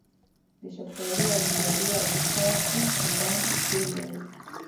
دشفتالو، الوبالواودشاه توت د بڼ کیسې لولې